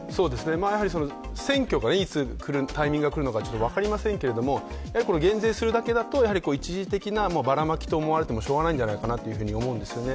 やはり選挙がいつタイミングが来るのか分かりませんけれども減税するだけだと、一時的なばらまきと思われてもしようがないんじゃないかなと思うんですよね。